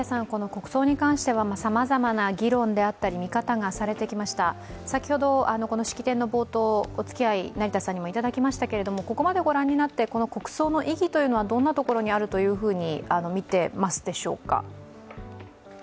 国葬に関してはさまざまな議論であったり見方がされてきました、先ほど式典の冒頭、成田さんにもおつきあいいただきましたけれどもここまでご覧になってこの国葬の意義はどんなところにあると見ていますでしょうか？